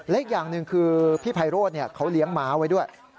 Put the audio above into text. อีกอย่างหนึ่งคือพี่ไพโรธเขาเลี้ยงม้าไว้ด้วย